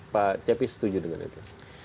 pak cepi setuju dengan itu